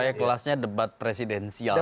supaya kelasnya debat presidensial ya